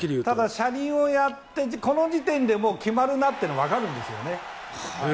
車輪をやってこの時点で決まるなってわかるんですよね。